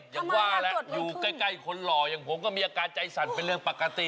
อย่างว่าแหละอยู่ใกล้คนหล่ออย่างผมก็มีอาการใจสั่นเป็นเรื่องปกติ